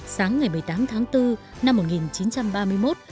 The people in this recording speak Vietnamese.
sáng ngày một mươi tám tháng bốn năm một nghìn chín trăm ba mươi một